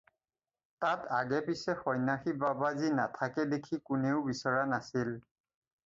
তাত আগে-পিচে সন্ন্যাসী বাবাজী নাথাকে দেখি কোনেও বিচৰা নাছিল।